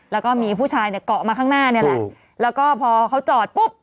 แล้วก็มีผู้ชายเนี่ยเกาะมาข้างหน้านี่แหละแล้วก็พอเขาจอดปุ๊บ